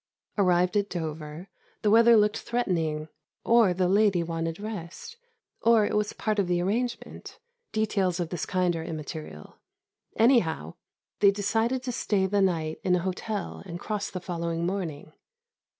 Arrived at Dover, the weather looked threatening, or the lady wanted rest, or it was part of the arrangement details of this kind are immaterial anyhow, they decided to stay the night in an hotel and cross the following morning.